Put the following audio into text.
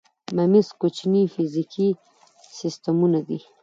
میمز کوچني فزیکي سیسټمونه دي.